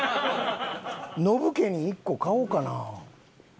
ノブ家に１個買おうかな。